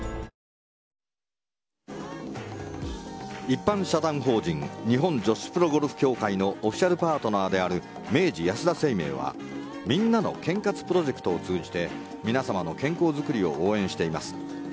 一般社団法人日本女子プロゴルフ協会のオフィシャルパートナーである明治安田生命はみんなの健活プロジェクトを通じて皆様の健康づくりを応援しています。